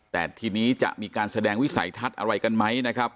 แต่ทีนี้จะมีการแสดงวิสัยทัศน์อะไรกันไหมนะครับ